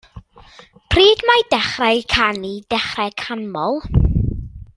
Pryd mae Dechrau Canu Dechrau Canmol?